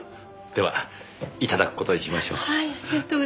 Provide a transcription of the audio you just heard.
ではいただく事にしましょう。